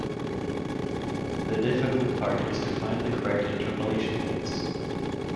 The difficult part is to find the correct interpolation points.